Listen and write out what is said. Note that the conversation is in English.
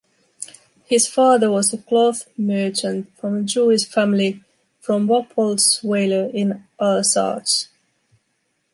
His father was a cloth merchant from a Jewish family from Rappoltsweiler in Alsace.